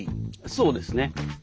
そうですね。